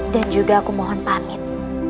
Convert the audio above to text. dan juga aku mohon pamit